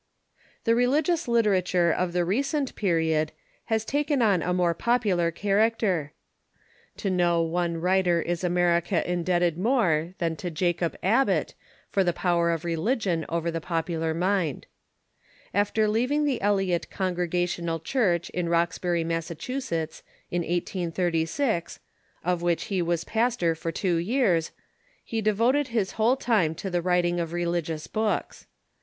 The religious literature of the recent period has taken on a more popular charactei*. To no one writer is America indebted more than to Jacob Abbott for the power of religion I ■}'^^V over the popular mind. After leaving the Eliot Con Literaturc ^'■. gregational Church in Roxbury, Massachusetts, in CHRISTIAN LITERATURE 619 1836, of whicli he was pastor for two j^ears, he devoted his whole time to the writing of religious books.